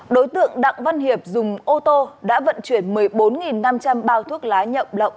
đối tượng đặng văn hiệp dùng ô tô đã vận chuyển một mươi bốn năm trăm linh bao thuốc lá nhậm lộng